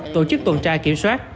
tổ chức tuần tra kiểm soát